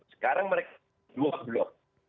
sekarang mereka dua blok